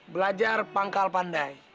belajar pangkal pandai